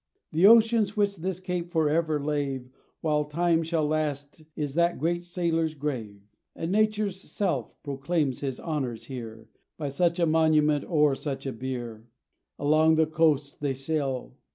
The oceans which this Cape for ever lave While time shall last is that great sailor's grave; And Nature's self proclaims his honours here, By such a monument o'er such a bier. Along the coast they sail.